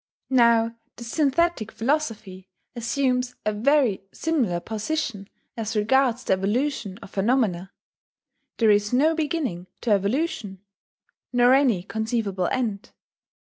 Now the Synthetic Philosophy assumes a very similar position as regards the evolution of Phenomena: there is no beginning to evolution, nor any conceivable end.